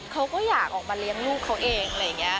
เขาก็อยากออกมาเลี้ยงลูกเขาเองอะไรอย่างนี้